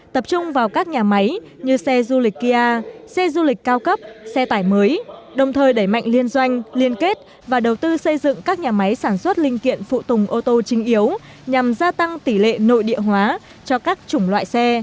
tập trung vào các nhà máy như xe du lịch kia xe du lịch cao cấp xe tải mới đồng thời đẩy mạnh liên doanh liên kết và đầu tư xây dựng các nhà máy sản xuất linh kiện phụ tùng ô tô chính yếu nhằm gia tăng tỷ lệ nội địa hóa cho các chủng loại xe